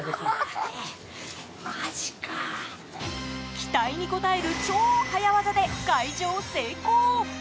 期待に応える超早業で開錠成功。